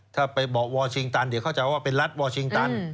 ถ้าไปบอกวอร์ชิงตันเดี๋ยวเข้าใจว่าเป็นรัฐวอร์ชิงตัน